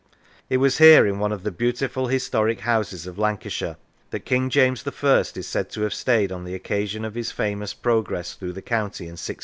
It was here, in one of the beautiful historic houses of Lancashire, that King James I. is said to have stayed on the occasion of his famous progress through the county in 1617.